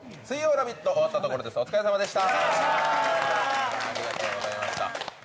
「ラヴィット！」が終わったところでしたお疲れさまでした。